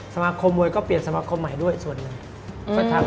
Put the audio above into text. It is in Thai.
สมาคมมวยก็เปลี่ยนสมาคมใหม่ด้วยส่วนหนึ่ง